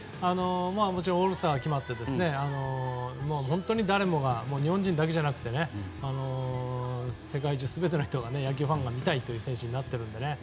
もちろんオールスターが決まって本当に誰もが日本人だけじゃなくて世界中全ての人が野球ファンが見たいという選手になっているので。